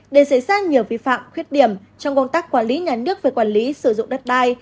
để xảy ra nhiều vi phạm khuyết điểm trong công tác quản lý nhà nước về quản lý sử dụng đất đai